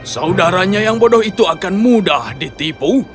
saudaranya yang bodoh itu akan mudah ditipu